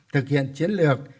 thực hiện chiến lược